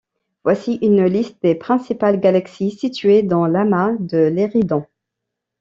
Voici une liste des principales galaxies situées dans l'amas de l'Éridan.